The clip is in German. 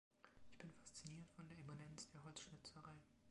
Ich bin fasziniert von der Immanenz der Holzschnitzerei.